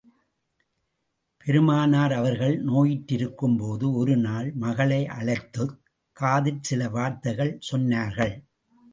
பெருமானார் அவர்கள் நோயுற்றிருக்கும் போது ஒருநாள், மகளை அழைததுக் காதில் சில வார்த்தைகள் சொன்னார்கள்.